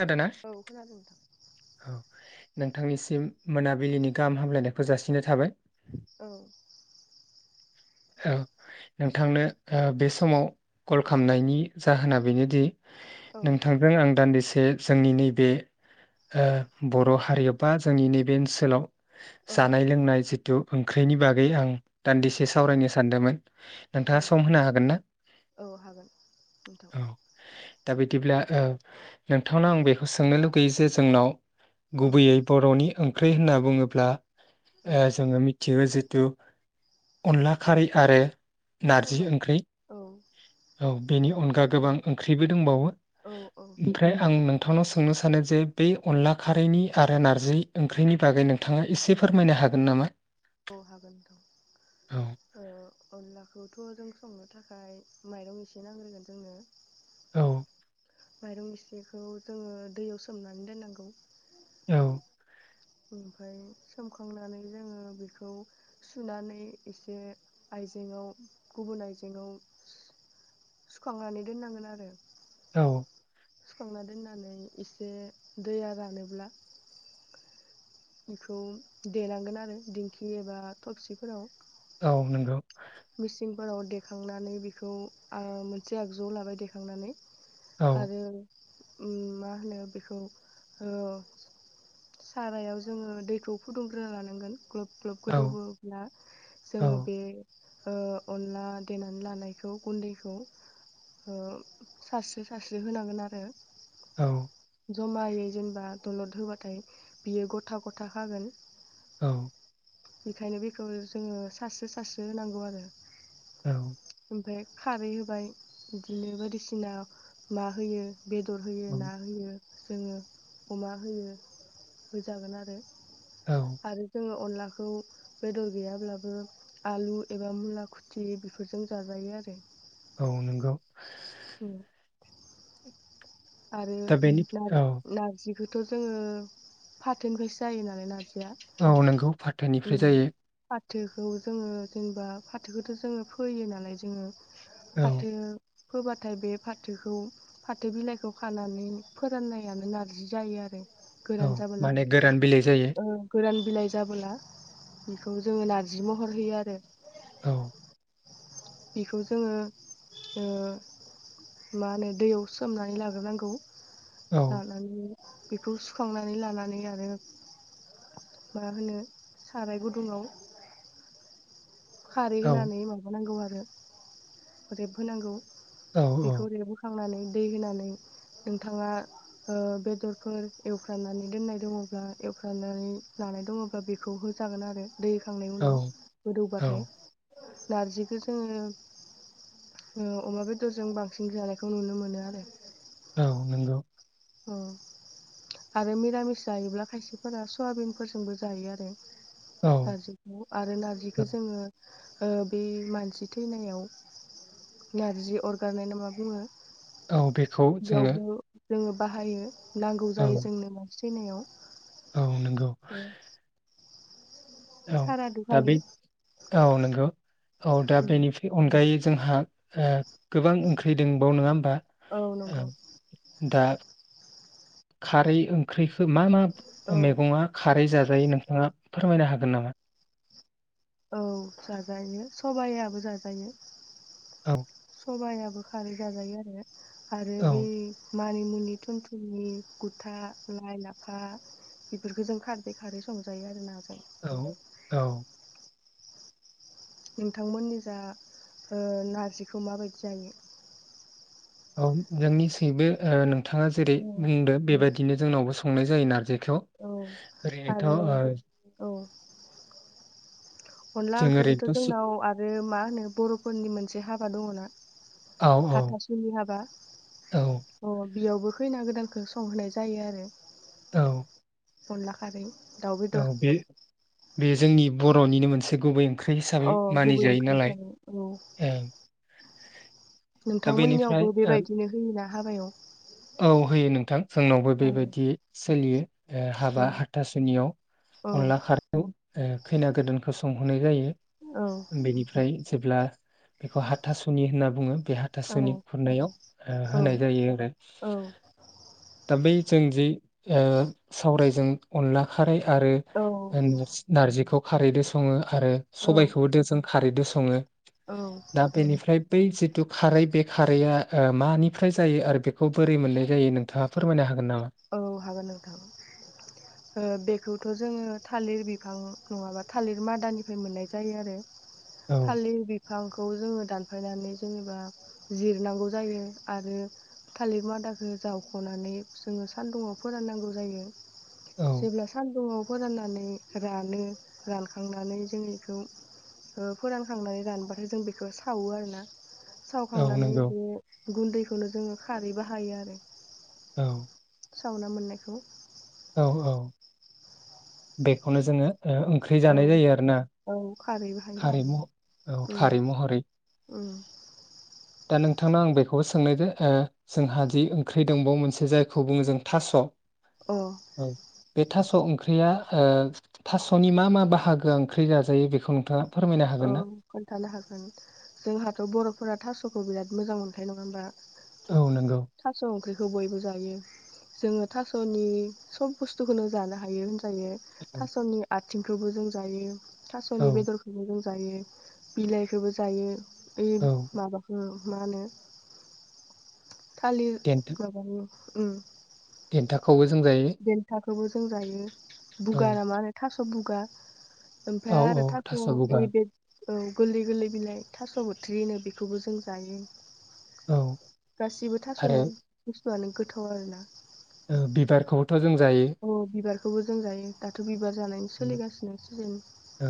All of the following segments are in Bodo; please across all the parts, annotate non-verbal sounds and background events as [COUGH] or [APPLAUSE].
खोनादोंना औ खोनादों नोंथां औ नोंथांनिसिम मोनाबिलिनि गाहाम हामलायनायखौ जासिनो थाबाय औ औ नोंथांनो ओ बे समाव कल खालामनायनि जाहोना बेनोदि औ नोंथांजों आं दान्दि से जोंनि नैबे ओ बर' हारियाव बा जोंनि नैबे ओनसोलाव औ जानाय- लोंनाय जि ओंख्रिनि बागै आं दान्दि औ सावरायनो सानदोंमोन औ नोंथाङा सम होनो हागोन ना औ हागोन नोंथां औ दा बिदिब्ला ओ नोंथांनाव आं बेखौ सोंनो लुगैयो जे जोंनाव औ गुबैयै बर'नि ओं ख्रि होनना बुङोब्ला औ ओ जोङो मिथियो जे थ' अनला खारै आरो नारजि सबाय ओंख्रै औ बेनि अनगा गोबां नोंथां ओंख्रिबो दंबावो औ औ ओमफ्राय आं नोंथांनाव सो सोंनो सानो जे बे अनला खारैनि आरो नार्जि ओंख्रिनि बागै नोंथाङा एसे फोरमायनो हागोन नामा औ हागोन औ नोंथां औ अनलाखौथ' जों संनो थाखाय माइरं एसे नांग्रोगोन जोंनो औ माइरं इसेखौ जोङो दैयाव सोमनानै दोननांगौ औ ओमफाय सोमखांनानै जोङो बेखौ सुनानै एसे आइजेेंआव गुबुन आइजेंआव सुखांनानै दोननांगोन आरो औ सुखांना दोननानै एसे दैया रानोब्ला बेखौ देनांगोन आरो दिंखि एबा थबसिफोराव औ नंगौ मिसिंफोराव देखांनानै बेखौ आ मोनसे आगजुआव लाबाय देखांनानै औ आरो उम मा होनो बेखौ ओ सारायाव जोङो दैखौ फुदुंग्रोना लानांगोन ग्लब ग्लब औ गोदौब्ला औ जोङो बे ओ अनला देनानै लानायखौ गुन्दैखौ ओ सारस्रि सारस्रि होनांगोन आरो औ जमायै जेनेबा दलद होबाथाय बियो गथा गथा खागोन औ बेखायनो बेखौ जोङो सारस्रो सारस्रो होनांगौ आरो औ ओमफाय खारै होबाय बिदिनो बायदिसिना मा होयो बेदर होयो ना होयो जोङो अमा होयो होजागोन आरो औ आरो जोङो अनला खौ बेदर गैयाब्लाबो आलु एबा मुला खुथि बेफोरजों जाजायो आरो औ नोंगौ औ आरो दा बेनि औ नारज नारजि बेखौथ' जोङो फाथोनिफ्रायसो जायो नालाय नारजि औ नोंगौ फाथोनिफ्राय जायो। फाथोखौ जोङो जेनेबा फाथोखौथ' जोङो फोयो नालाय जोङो। औ फाथो फोबाथाय बे फाथोखौ फाथो बिलाइखौ खानानै फोराननायानो नारजि जायो आरो औ गोरान जाबोला माने गोरान बिलाइ जायो ओ गोरान बिलाइ जाबोला बेखौ जोङो नारजि महर होयो आरो औ बेखौ जोङो ओ मा होनो दैयाव सोमनानै लाग्रोनांगौ औ लानानै बेखौ सुखांनानै लानानै आरो मा होनो साराय गुदुङाव खारै औ होनानै माबानांगौ आरो आरो रेब होनांगौ औ बेखौ रेबहोखांनानै दै होनानै नोंथाङा ओ बेदरफोर एवफ्रामनानै दोननाय दङब्ला एवफ्रामनानै लानाय दङब्ला बेखौ होजागोन आरो। दै होखांनाय उनाव औ गोदौ बा [UNINTELLIGIBLE] औ नारजिखौ जोङो अमा बेदरजों बांसिन जानायखौ नुनो मोनो आरो। औ नोंगौ। अ आरो मिरामिस जायोब्ला खायसेफोरा सयाबिनफोरजोंबो जायो आरो। औ नारजिखौ आरो नारजिखौ जोङो। ओ बे मानसि थैनायाव नारजि अरगारनाय ना मा बुङो। औ बेखौ जोङो। बेयावबो जोङो। बाहायो। नांगौ औ जायो जोंनो माने। सैनायाव। औ नंगौ औ दा सारादुखालि बे औ नंगौ औ दा बेनि अनगायै। जोंहा ओ गोबां ओंख्रि दंबाव नङा होमबा? औ ओ नंगौ। दा। खारै ओंख्रि। मा मा औ मैगङा खारै जाजायो। जायो नोंथाङा फोरमायनो हागोन नामा? औ जाजायो सबायाबो जाजायो। औ। सबायाबो खारै जाजायो आरो। आरो औ बै मा मानि मुनि थुन थुननि गुथा लाइ लाफा बेफोरखौ जों खारदै खारै संजायो आरो ना जों औ औ। नोंथांमोननि जा ओ नारजिखौ माबायदि जायो औ जोंनि सिबो ओ नों बिथाङा जेरै बुंदों बेबायदिनो जोंनावबो संनाय जायो नारजि। थ औ ओरैनोथ' ओ आरो औ अनला जों ओंख्रिखौथ' ओरैनोथ' सु- जोंनाव आरो मा होनो बर'फोरनि मोनसे हाब बा दङोना? औ औ हाथा सुलि हाबा औ अ बेयावबो खैना गोदानखौ संहोनाय जायो आरो। औ अनला खारै। दाउ औ बेदर बे बे जोंनि बर'निनो मोनसे गुबै ओंख्रि हिसाबै अ गुबै मानिजायो ओंख्रि नालाय हिसाबै औ दा बेनिफ्राय नोंथांमोननियावबो ओ बेबायदिनो होयोना हाबायाव [INAUDIBLE] औ होयो नोंथां जोंनावबो औ बेबायदि सोलियो ओ औ हाबा हाथासुनियाव औ अनला खारै। ओ खैना गोदानखौ संहोनाय जायो। औ बेनिफ्राय जेब्ला बेखौ हाथासुनि होनना बुङो बे औ हाथासुनि खुरनायाव ओ औ होनाय जायो आरो। औ दाब बै जों जि ओ सावरायजों अनला खारै आरो औ नारजिखौ खारैजों सङो आरो सबायखौबो खारैजों सं सङो। औ दा बेनिफ्राय बै जिद थु खारै बे खारैआ ओ मानिफ्राय जायो आरो बे खौ बोरै मोननाय जायो नोंथाङा फोरमायनो हा औ हागोन नोंथां ओ बेखौथ' जोङो थालिर बिफां नङाबा थालिर मादानिफ्राय मोननाय जायो आरो औ थालिर बि बिफांखौ जोङो दानफायनानै जेनेबा जिरनांगौ जायो आरो थालिर मादाखो जावख'नानै जोङो सान्दुंआव फोराननांगौ जायो। औ जेब्ला सान्दुङाव फोराननानै रानो रानखांनानै जों बेखौ ओ फोरानखांनानै रानबाथाय जों बेखौ सावो आरोना औ सावखांनानै नंगौ बे गुन्दैखौनो जोङो खारैबो हायो आरो औ सावना मोननायखौ औ औ बेखौनो जोङो ओ ओंख्रि औ जानाय जायो आरो ना औ खारै बाहायो खारै मह औ उम खारै महरै उम दा नोंथांनाव आं बेखौबो सोंनायदो ओ जोंहा जि ओंख्रि दंबावो मोनसे जायखौ बुङो जों थास' अह। बे थास' ओंख्रिया ओ थास'नि मा मा बाहागोआ ओंख्रि जाजायो बेखौ नोंथाङा फोरमायनो औ हागोन ना? खोन्थानो हागोन, जोंहाथ' बर'फोरा थास' खौ बिराद मोजां मोनखायो नङा होमबा? औ नंगौ। खौ बयबो जायो जोङो थास'नि सब बुस्थुखौनो जानो हायो। जायो औ थास'नि आथ थिंखौबो जों जायो थास'नि बेदर जायो बिलाइखौबो जायो बे औ माबाखो मा होनो थालिर माबानि उम। देन्थाख खौबो जों जायो। खौबो जों जायो। बुगा औ ना मा होनो थास बुगा औ ओमफाय औ आरो थास' बुगा इ [UNINTELLIGIBLE] औ गोरलै गोरलै बिलाइ थास' बुथ्रि होनो बेखौबो जों जायो। औ गासिबो आरो थास'नो आनो गोथाव आरो ना? ओ बिबारखौ थ' जों जायो। खौबो जों जायो दाथ' बिबार जानायनि सोलिगासिनोसो जों औ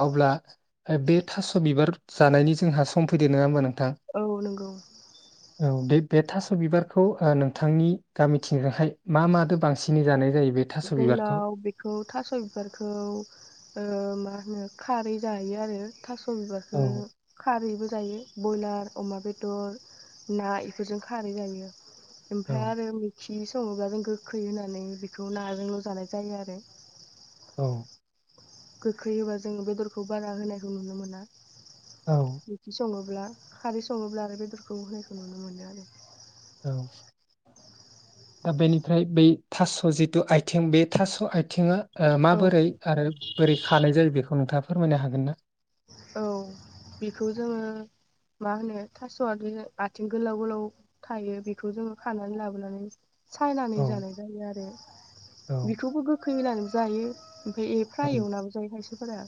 अब्ला बे थास' बिबार जानायनि जोंहा सम फैदो नङा होमबा नों औ नोंगौ। बे बे थास' बिबारखौ ओ नोंथांनि गामिथिङोहाय मा मादो बांसिनै जानाय जायो? बे थास' बिबारखौ जोंनाव बेखौ थास' बिबारखौ ओ मा होनो खारै जायो आरो थास' बिबारखो औ खारैबो जायो बयलार अमा बेदर ना इफोरजों खारै जायो। औ ओमफाय आरो मिखिस सङोबा जों गोखै होनानै बेख खौ नाजोंल' जानाय जायो आरो औ गोखै होबा जों बेदरखौ बारा होनायखौ नुनो मोना। औ मिखि सङो। ब्ला खारै सङोब्ला आरो बेदरखौ है खो नुनो मोनो आरो औ दा बेनिफ्राय बै थास' जिटु आइथें बे थास' आयथेंआ ओ औ माबोरै आरो बोरै खानाय जायो बेखौ नोंथाङा फ फोरमायनो हागोन ना? औ बेखौ जोङो मा होनो थास'आ दे आथिं गोलाव गोलाव थायो बेखौ जोङो खानानै लाबोनानै सायनानै औ जानाय जायो आरो औ बेखौबो गोखै होनानै जायो। ओमफाय औ फ्राय एवनाबो जायो खायस बेफोरा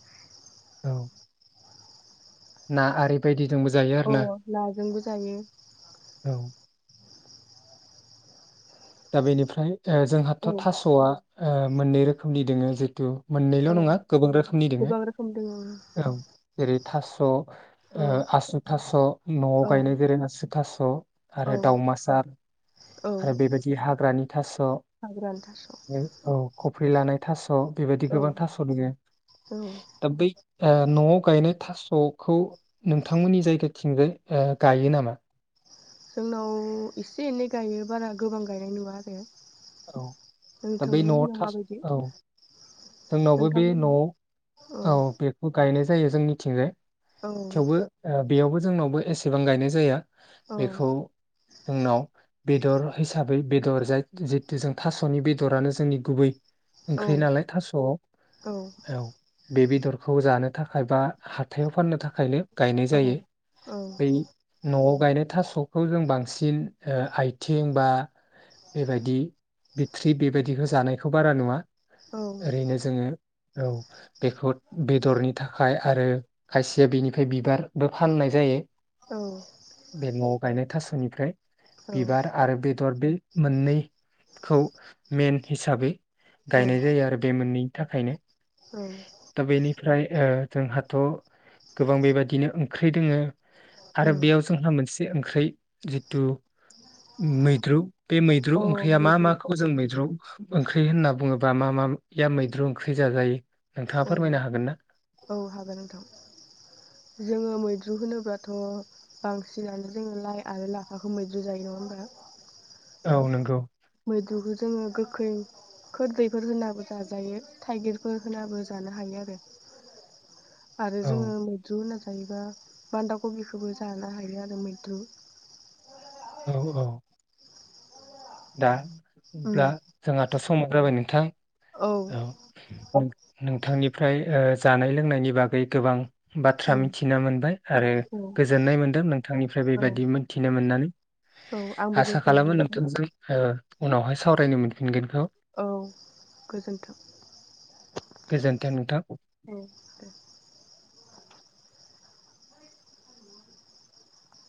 औ ना आरि बायदि जोंबो जायो आरो ना औ नाजोंबो जायो औ दा बेनिफ्राय जो जोंहाथ' औ थास'आ ओ मोननै रोखोमनि दोङो जिहेतु मोननैल' औ नङा गोबां रोखोमनि दोङो। गोबां रोखोम दङ औ जेरै थास' ओ आसु थास', न'आव औ गायनाय गोरों आसु थास' आरो औ दाउमासार औ आरो बेबायदि हाग्रानि थास' हाग्रानि थास' ओ औ। कफ्रि लानाय थास' बेबायदि औ गोबां थास' दङो औ दा बै ओ न'आव गायनाय थास'खौ नोंथांमोननि जायगाथिंजाय ओ गायो नामा? जोंनाव एसे एनै गायो बारा गोबां गायनाय नुवा आरो औ दा बै न'आव नोंथांमोननियाव थास माबायदि औ जोंनावबो बे नोंथांमोननियाव न'आव औ बेखौ गाय गायनाय जायो जोंनिथिंजाय। औ थेवबो ओ बेयावबो जोंनावबो एसेबां गायनाय जाया। औ बेखौ जोंनाव बेदर हिसाबै बेदर जाय जितु जों थास'नि बेदरानो जोंनि गुबै औ ओंख्रि नालाय थास स' औ। बे बेदरखौ जानो थाखाय बा हाथायाव फाननो थाखायनो गायनाय जायो औ बै न'आव गायनाय थास'खौ जों बांसिन ओ आइथिं बा बेबादि बिथट्रि बेबायदिखौ जानायखौ बारा नुवा। ओरैनो जोङो औ बेखौ बेदरनि थाखाय आरो खायसेया बेनिफ्राय बिबारबो फाननाय जायो। औ बे न'आव गायनाय थास'नि ओमफ्राय बिबार आरो बेदर बे मोननैखौ मेन हिसाबै औ गायनाय जायो आरो म मोननैन थाखायनो। औ। ओमफ्राय ओ जोंहाथ' गोबां बेबादिनो ओंख्रि दोङो। आरो उम अ बेयाव जोंहा मोनस बे ओंख्रै जितु मैद्रु बे मैद्रु ओंख्रिया मा मैद्रु माखौ जों मैद्रु ओंख्रि होनना बुङोबा मा मा खिया मैद्रु ओंख्रि जाजायो नोंथाङा फोरमायनो हागोन ना? औ-औ हागोन नोंथां जोङो मैद मैद्रु होनोब्लाथ' बांसिनानो जोङो लाय आरो लाफाखो मैद्रु जायो नङा होनबा? औ नंगौ। मैद्रुखो जोङो गोखै खोरदैफोर होनाबो जाजायो थाइगिरफोर होनाबो जानो हायो आरो। आरो औ जोङो मैद्रु होनना जायोबा बान्दा खबिखोबो जानो हायो आरो मैद्रु। औ-औ। दा। अब्ला उम जोंहाथ' स समाबो जाबाय नोंथां। औ [UNINTELLIGIBLE] नोंथांनिफ्राय ओ जानाय लोंनायनि बागै गोबां बाथ्रा उम मिथिना मोनबाय आरो औ गोजोननाय मोनदों नोंथांनिफ्राय औ बेबायदि मोनथिनो मोननानै औ आंबो आसा गोजोननाय खालामो मोनबाय नोंथांजों ओ उनावहाय सावरायनो मोनफिनगोनखौ औ गोजोन्थों। गोजोन्थों नोंथां। औ दे।